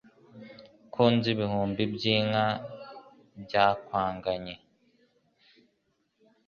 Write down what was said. Ko nzi ibihumbi by'inka bakwanganye